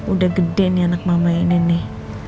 udah gede nih anak mama ini nih